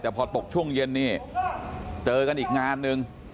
แต่พอตกช่วงเย็นนี่เจอกันอีกงานนึง